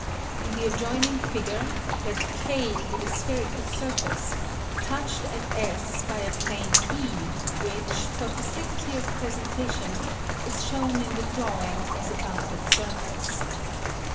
In the adjoining figure let K be the spherical surface, touched at S by a plane, E, which, for facility of presentation, is shown in the drawing as a bounded surface.